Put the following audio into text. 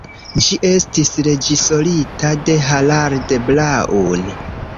Ĝi estis reĝisorita de Harald Braun.